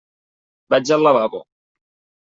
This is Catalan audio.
Vaig al lavabo.